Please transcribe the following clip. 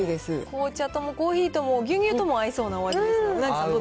紅茶ともコーヒーとも牛乳とも合いそうなお味ですよね。